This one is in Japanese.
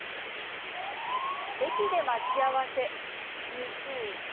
駅で待ち合わせに注意。